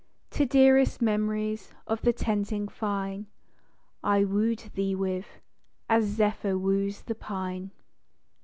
99 To dearest memories of the tenting fine I woo'd thee with â as Zephyr woos the pine.